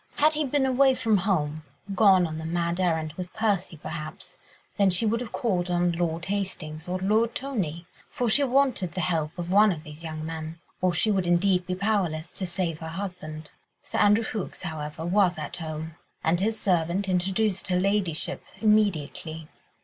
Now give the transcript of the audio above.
Had he been away from home, gone on the mad errand with Percy, perhaps, then she would have called on Lord Hastings or Lord Tony—for she wanted the help of one of these young men, or she would be indeed powerless to save her husband. Sir Andrew Ffoulkes, however, was at home, and his servant introduced her ladyship immediately.